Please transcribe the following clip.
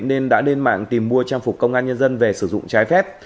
nên đã lên mạng tìm mua trang phục công an nhân dân về sử dụng trái phép